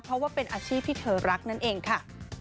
เพราะว่าเป็นอาชีพที่เธอรักนั่นเองค่ะ